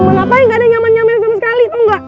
ngapain gak ada nyaman nyaman sama sekali tau gak